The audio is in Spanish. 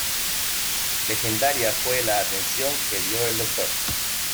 Legendaria fue la atención que dio el Dr.